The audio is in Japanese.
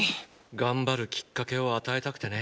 頑張るキッカケを与えたくてね